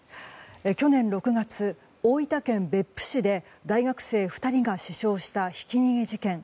去年６月、大分県別府市で大学生２人が死傷したひき逃げ事件。